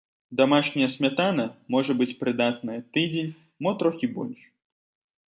Дамашняя смятана можа быць прыдатная тыдзень, мо трохі больш.